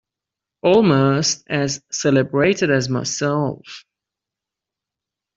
Almost as celebrated as myself!